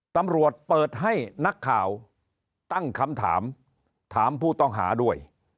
ตำรวจเปิดให้นักข่าวตั้งคำถามถามผู้ต้องหาด้วย